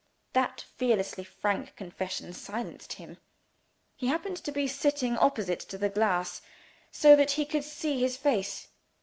That fearlessly frank confession silenced him. He happened to be sitting opposite to the glass, so that he could see his face.